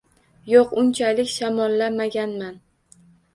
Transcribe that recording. - Yo‘q, unchalik shamollamaganman...